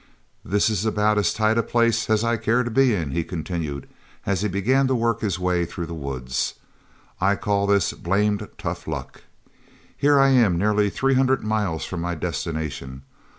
"That is about as tight a place as I care to be in," he continued, as he began to work his way through the woods. "I call this blamed tough luck. Here I am nearly three hundred miles from my destination.